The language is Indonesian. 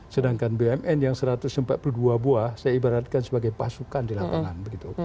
sedangkan bumn yang satu ratus empat puluh dua buah saya ibaratkan sebagai pasukan di lapangan